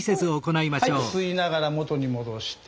はい吸いながら元に戻して。